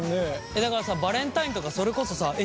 だからさバレンタインとかそれこそさえっ